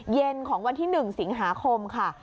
เย็นของวันที่๑สิงหาคมค่ะ